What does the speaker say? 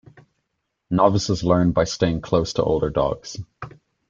Novices learn by staying close to older dogs.